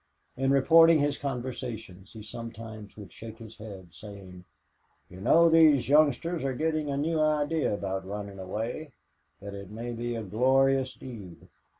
In reporting his conversations, he sometimes would shake his head, saying, "You know these youngsters are getting a new idea about running away that it may be a glorious deed."